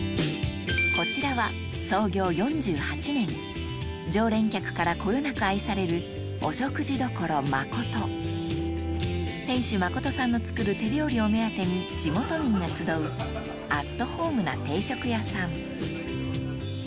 こちらは創業４８年常連客からこよなく愛されるお食事処まこと店主マコトさんの作る手料理を目当てに地元民が集うアットホームな定食屋さん